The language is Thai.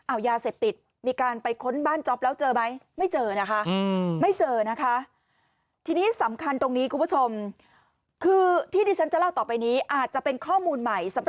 อะยาเสพติดมีการไปค้นบ้านจ๊อบแล้วเจอไหม